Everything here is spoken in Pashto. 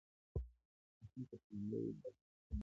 د هند په قلمرو به دعوه نه کوي.